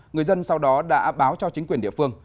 người dân sau đó đã báo cho chính quyền địa phương